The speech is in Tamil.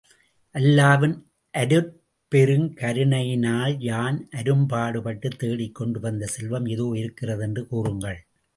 அல்லாவின் அருட்பெருங்கருணையினால், யான் அரும்பாடுப் பட்டுத் தேடிக் கொண்டு வந்த செல்வம் இதோ இருக்கிறது என்று கூறுங்கள்.